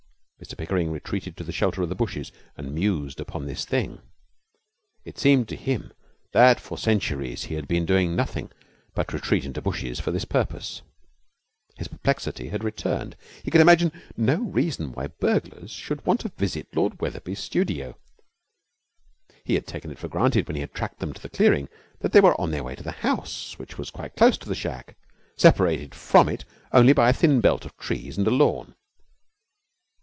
Mr Pickering retreated into the shelter of the bushes and mused upon this thing. It seemed to him that for centuries he had been doing nothing but retreat into bushes for this purpose. His perplexity had returned. He could imagine no reason why burglars should want to visit Lord Wetherby's studio. He had taken it for granted, when he had tracked them to the clearing, that they were on their way to the house, which was quite close to the shack, separated from it only by a thin belt of trees and a lawn.